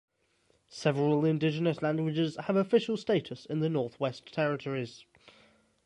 Several indigenous languages have official status in the northwest territories.